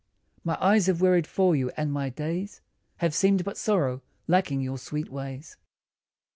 My eyes have wearied for you, and my days Have seemed but sorrow, lacking your sweet ways.